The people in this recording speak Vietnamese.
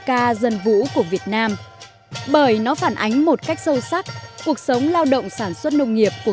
ca dân vũ của việt nam bởi nó phản ánh một cách sâu sắc cuộc sống lao động sản xuất nông nghiệp của